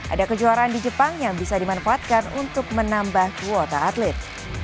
ada kejuaraan di jepang yang bisa dimanfaatkan untuk menambah kuota atlet